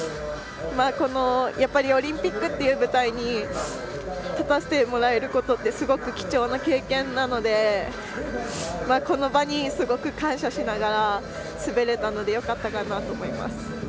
オリンピックという舞台に立たせてもらえることってすごく貴重な経験なのでこの場にすごく感謝しながら滑れたのでよかったかなと思います。